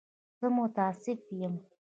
زه متأسف یم.